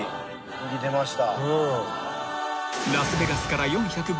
右出ました。